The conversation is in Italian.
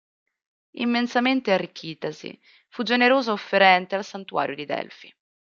Immensamente arricchitasi, fu generosa offerente al santuario di Delfi.